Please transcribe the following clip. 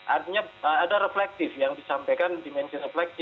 artinya ada reflektif yang disampaikan dimensi refleksi